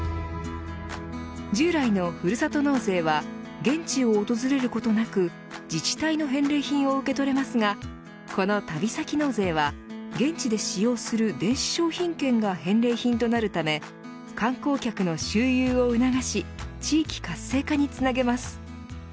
従来のふるさと納税は現地を訪れることなく自治体の返礼品を受け取れますがこの旅先納税は現地で使用する電子商品券が返礼品となるため観光客の周遊を促し地域活性化につなげます。